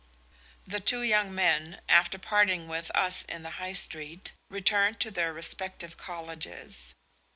The two young men, after parting with us in the High Street, returned to their respective colleges.